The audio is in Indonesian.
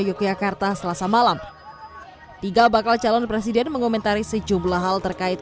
yogyakarta selasa malam tiga bakal calon presiden mengomentari sejumlah hal terkait